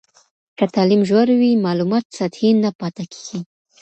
که تعلیم ژور وي، معلومات سطحي نه پاته کېږي.